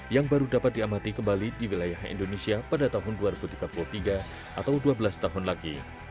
yang baru dapat diamati kembali di wilayah indonesia pada tahun dua ribu tiga puluh tiga atau dua belas tahun lagi